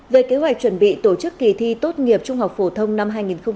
về kế hoạch chuẩn bị tổ chức kỳ thi tốt nghiệp trung học phổ thông năm hai nghìn hai mươi